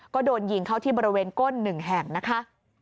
ก็โดนยิงเข้าที่บริเวณก้น๑แห่งนะคะ